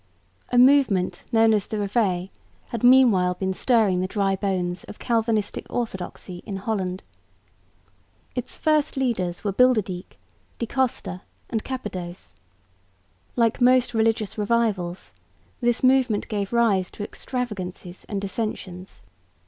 A movement known as the Reveil had meanwhile been stirring the dry bones of Calvinistic orthodoxy in Holland. Its first leaders were Bilderdijk, De Costa and Capadose. Like most religious revivals, this movement gave rise to extravagancies and dissensions.